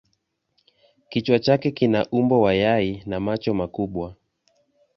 Kichwa chake kina umbo wa yai na macho makubwa.